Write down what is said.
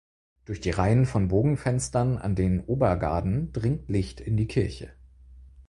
Durch die Reihen von Bogenfenstern an den Obergaden dringt Licht in die Kirche.